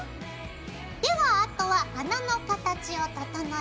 ではあとは花の形を整えます。